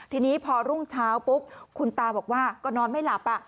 ทีนี้พอรุ่งเช้าปุ๊บคุณตาบอกว่าก็นอนไม่หลับ